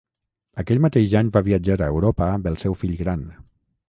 Aquell mateix any va viatjar a Europa amb el seu fill gran.